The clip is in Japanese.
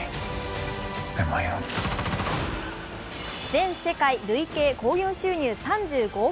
全世界累計興行収入３５億